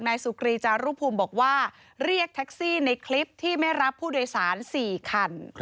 นายสุกรีจารุภูมิบอกว่าเรียกแท็กซี่ในคลิปที่ไม่รับผู้โดยสาร๔คัน